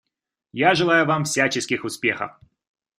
Я желаю вам всяческих успехов.